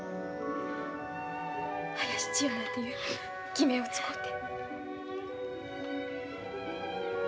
林千代なんていう偽名を使うて。